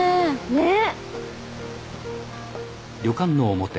ねっ。